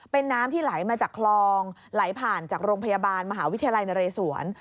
เป็นน้ำที่ไหลมาจากคลองไหลผ่านจากโรงพยาบาลมหาวิทยาลัยนเรศวร